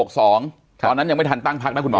ตอนนั้นยังไม่ทันตั้งพักนะคุณหมอ